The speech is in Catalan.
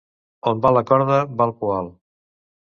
On va la corda va el poal.